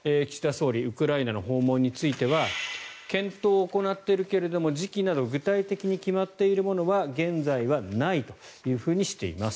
総理ウクライナの訪問については検討を行っているけれども時期など具体的に決まっているものは現在はないというふうにしています。